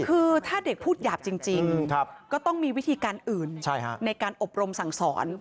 คือถ้าเด็กพูดหยาบจริงก็ต้องมีวิธีการอื่นในการอบรมสั่งสอน